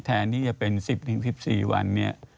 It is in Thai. แทนที่จะเป็น๑๐๑๔วันเนี่ย